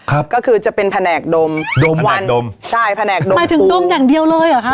ครับก็คือจะเป็นแผนกดมดมวันดมใช่แผนกดมหมายถึงดมอย่างเดียวเลยเหรอคะ